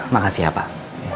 makasih ya pak